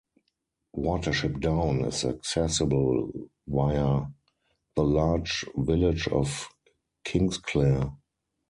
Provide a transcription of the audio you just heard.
Watership Down is accessible via the large village of Kingsclere.